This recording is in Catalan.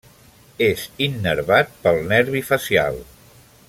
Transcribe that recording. És innervat pel nervi facial.